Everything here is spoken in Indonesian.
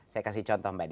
saya kasih contoh mbak desy